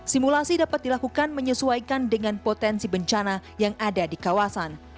simulasi dapat dilakukan menyesuaikan dengan potensi bencana yang ada di kawasan